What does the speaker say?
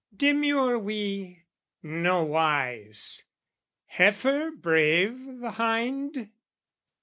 Demur we? Nowise: heifer brave the hind?